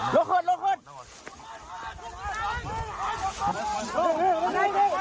เจอแล้วเจอแล้วลุกล่าวลุกล่าว